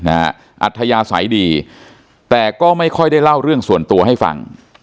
อัธยาศัยดีแต่ก็ไม่ค่อยได้เล่าเรื่องส่วนตัวให้ฟัง